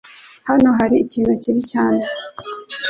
Hano hari ikintu kibi cyane .